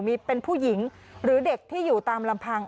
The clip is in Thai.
มีเป็นผู้หญิงหรือเด็กที่อยู่ตามลำพัง